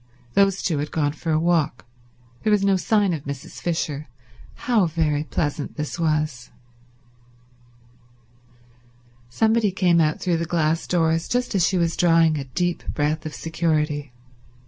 Those two had gone for a walk. There was no sign of Mrs. Fisher. How very pleasant this was. Somebody came out through the glass doors, just as she was drawing a deep breath of security.